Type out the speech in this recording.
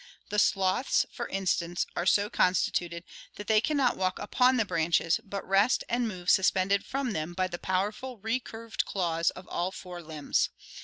The sloths (Fig. 72), for instance, are so constituted that they can not walk upon the branches but rest and move suspended from them by the powerful recurved claws of all four limbs.